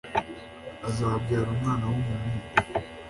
azabyara umwana wumuhungu